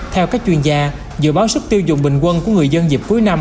theo các chuyên gia dự báo sức tiêu dùng bình quân của người dân dịp cuối năm